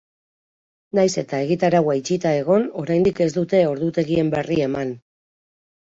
Nahiz eta egitaraua itxita egon, oraindik ez dute ordutegien berri eman.